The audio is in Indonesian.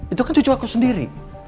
itu kan cucu aku sendiri